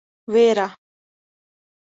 وېره.